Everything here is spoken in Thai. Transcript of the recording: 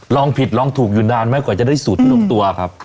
ลองผิดลองถูกอยู่นานแม้กว่าจะได้สูทออกตัวครับ